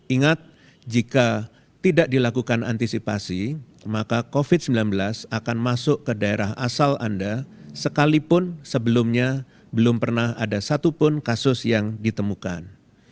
ingat jika tidak dilakukan antisipasi maka covid sembilan belas akan masuk ke daerah asal anda sekalipun sebelumnya belum pernah ada satupun kasus yang ditemukan